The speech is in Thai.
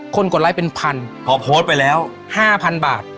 กดไลค์เป็นพันพอโพสต์ไปแล้ว๕๐๐บาท